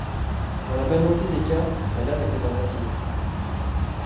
Dans la majorité des cas, la lame est faite en acier.